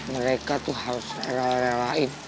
mereka tuh harus rela relain